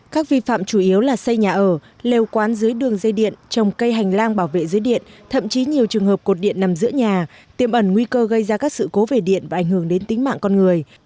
các vi phạm chủ yếu là xây nhà ở lều quán dưới đường dây điện trồng cây hành lang bảo vệ dưới điện thậm chí nhiều trường hợp cột điện nằm giữa nhà tiêm ẩn nguy cơ gây ra các sự cố về điện và ảnh hưởng đến tính mạng con người